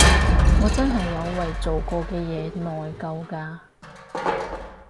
我真係有為做過嘅嘢內疚㗎